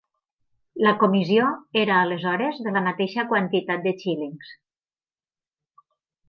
La comissió era aleshores de la mateixa quantitat de xílings.